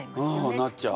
うんなっちゃう。